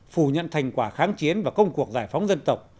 phủ nhận thành quả kháng chiến và công cuộc giải phóng dân tộc